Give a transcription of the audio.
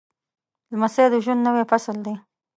لمسی د ژوند نوی فصل دی.